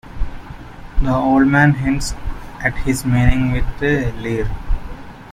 The old man hints at his meaning with a leer.